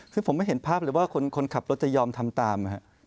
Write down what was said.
คือผมไม่เห็นภาพเลยว่าคนขับรถจะยอมทำตาม